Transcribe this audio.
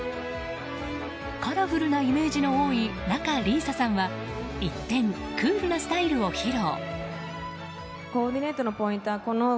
カラフルなイメージの多い仲里依紗さんは一転、クールなスタイルを披露。